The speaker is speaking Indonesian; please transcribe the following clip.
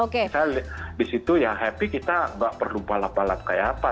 misalnya di situ ya happy kita nggak perlu balap balap kayak apa